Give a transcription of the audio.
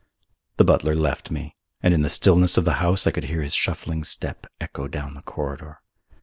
The butler left me, and in the stillness of the house I could hear his shuffling step echo down the corridor.